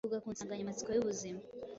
ivuga ku nsanganyamatsiko y’ubuzima.